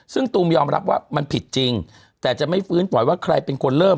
ซึ่งตูมยอมรับว่ามันผิดจริงแต่จะไม่ฟื้นปล่อยว่าใครเป็นคนเริ่ม